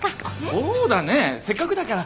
そうだねせっかくだから。